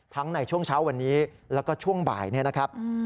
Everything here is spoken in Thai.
ทั้งในช่วงเช้าวันนี้แล้วก็ช่วงบ่ายนะครับ